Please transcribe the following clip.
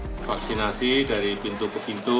divaksinasi dari pintu ke pintu